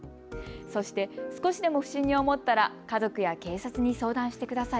そして、少しでも不審に思ったら家族や警察に相談してください。